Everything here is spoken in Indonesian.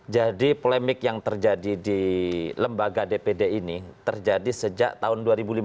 jadi polemik yang terjadi di lembaga dpd ini terjadi sejak tahun dua ribu lima belas